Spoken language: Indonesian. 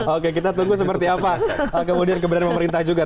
oke kita tunggu seperti apa kemudian keberadaan pemerintah juga